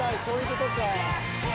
そういうことか。